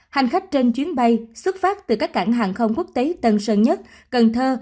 hành khách trên chuyến bay xuất phát từ các cảng hàng không quốc tế tân sơn nhất cần thơ